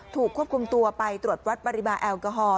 ถูกควบคุมตัวไปตรวจวัดปริมาณแอลกอฮอล